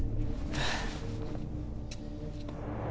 はあ。